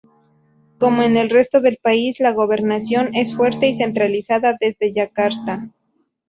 Como en el resto del país, la gobernación es fuerte y centralizada desde Yakarta.